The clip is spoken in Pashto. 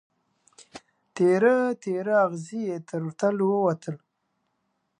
تیاره، تیاره اغزې یې تر تلو ووتله